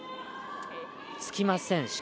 つきません。